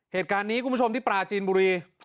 เหตุการณ์นี้คุณผู้ชมที่ปลาจีนบุรี